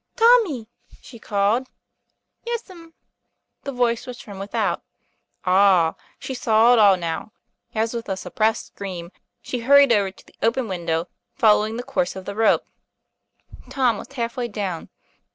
"Tommy!" she called. "Yes'm." The voice was from without. Ah! she saw it all now, as with a suppressed scream she hurried over to the open window, following the course of the rope. Tom was half way down.